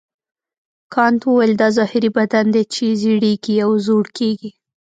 کانت وویل دا ظاهري بدن دی چې زړیږي او زوړ کیږي.